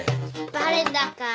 バレたか。